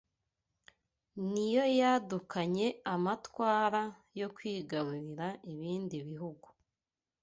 niyo yadukanye amatwara yo kwigarurira ibindi bihugu